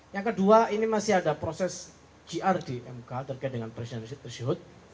yang kedua ini masih ada proses gr di mk terkait dengan presiden risiko tersebut